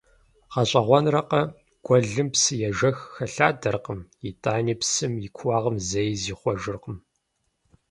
ГъэщӀэгъуэнракъэ, гуэлым псы ежэх хэлъадэркъым, итӀани псым и куууагъым зэи зихъуэжыркъым.